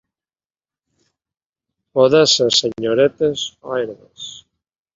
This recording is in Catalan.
Poden ser senyoretes o herbes.